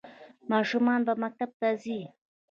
ماشومان به مکتب ته ځي؟